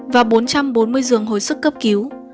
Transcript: và bốn trăm bốn mươi giường hồi sức cấp cứu